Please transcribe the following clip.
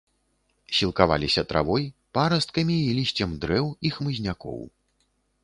Сілкаваліся травой, парасткамі і лісцем дрэў і хмызнякоў.